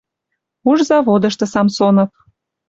Уж заводышты Самсонов